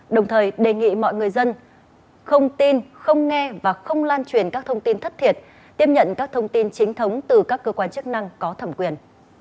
đồng thời đề nghị mọi người dân không tin không nghe và không lan truyền các thông tin thất thiệt tiếp nhận các thông tin chính thống từ các cơ quan chức năng có thẩm quyền